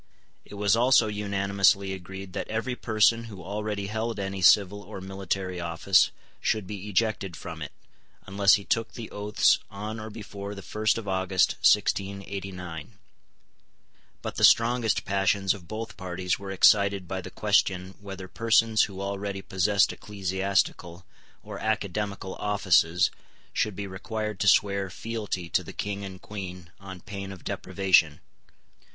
It was also unanimously agreed that every person who already held any civil or military office should be ejected from it, unless he took the oaths on or before the first of August 1689. But the strongest passions of both parties were excited by the question whether persons who already possessed ecclesiastical or academical offices should be required to swear fealty to the King and Queen on pain of deprivation.